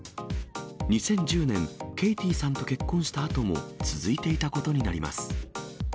２０１０年、ケイティさんと結婚したあとも続いていたことになります。